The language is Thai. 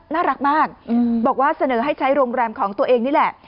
น่ารักมากบอกว่าเสนอให้ใช้โรงแรมของตัวเองนี่แหละ